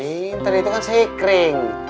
pinter ya itu kan saya kring